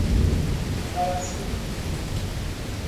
Araçu